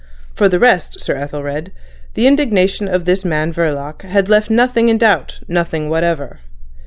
For the rest, Sir Ethelred, the indignation of this man Verloc had left nothing in doubt—nothing whatever.